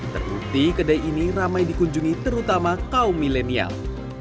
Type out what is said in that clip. terbukti kedai ini ramai dikunjungi terutama kaum milenial